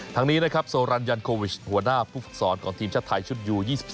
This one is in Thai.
ทางนี้นะครับโซรันยันโควิชหัวหน้าผู้ฝึกศรของทีมชาติไทยชุดยู๒๒